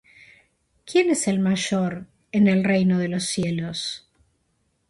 ¿Quién es el mayor en el reino de los cielos?